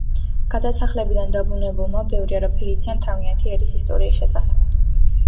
გადასახლებიდან დაბრუნებულებმა ბევრი არაფერი იციან თავიანთი ერის ისტორიის შესახებ.